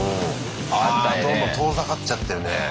どんどん遠ざかっちゃってるね。